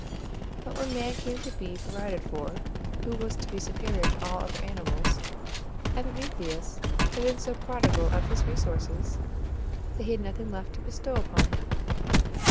But when man came to be provided for, who was to be superior to all other animals, Epimetheus had been so prodigal of his resources that he had nothing left to bestow upon him.